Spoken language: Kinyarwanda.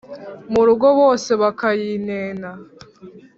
Mu rugo bose bakayinena,